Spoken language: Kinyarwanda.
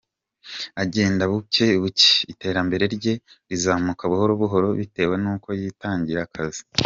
Agenda buke buke, iterambere rye rizamuka buhoro buhoro bitewe n’uko yitangira akazi.